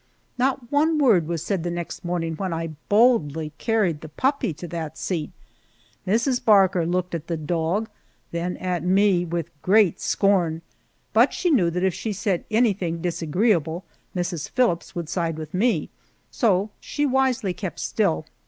Not one word was said the next morning when I boldly carried the puppy to that seat. Mrs. Barker looked at the dog, then at me, with great scorn, but she knew that if she said anything disagreeable Mrs. Phillips would side with me, so she wisely kept still.